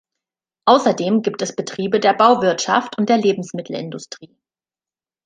Außerdem gibt es Betriebe der Bauwirtschaft und der Lebensmittelindustrie.